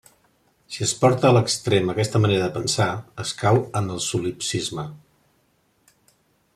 Si es porta a l'extrem aquesta manera de pensar, es cau en el solipsisme.